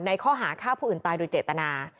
ข้อหาฆ่าผู้อื่นตายโดยเจตนา